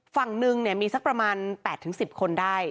ฝั่งหนึ่งมีสักประมาณ๘๑๐คนได้